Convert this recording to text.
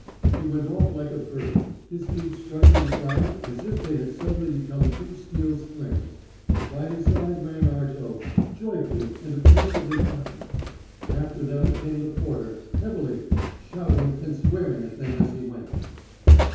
He went off like a bird, his feet striking the ground as if they had suddenly become two steel springs, and by his side ran Arto, joyfully and effusively barking. After them came the porter, heavily, shouting and swearing at them as he went.